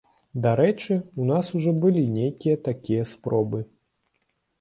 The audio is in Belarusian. Дарэчы, у нас ужо былі нейкія такія спробы.